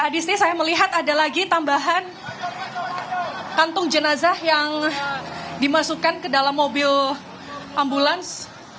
di sini saya melihat ada lagi tambahan kantung jenazah yang dimasukkan ke dalam mobil ambulans